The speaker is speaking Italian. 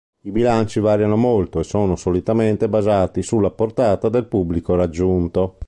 I bilanci variano molto e sono solitamente basati sulla portata del pubblico raggiunto.